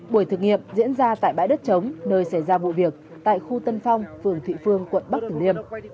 buổi thực nghiệm diễn ra tại bãi đất trống nơi xảy ra vụ việc tại khu tân phong phường thụy phương quận bắc tử liêm